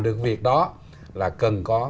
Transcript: được việc đó là cần có